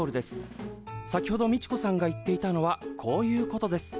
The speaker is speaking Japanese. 先ほどみちこさんが言っていたのはこういうことです。